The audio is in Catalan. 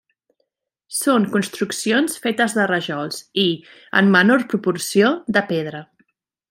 Són construccions fetes de rajols i, en menor proporció, de pedra.